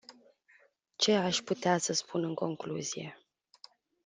Ce aș putea să spun în concluzie?